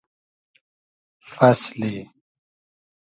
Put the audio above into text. فئسلی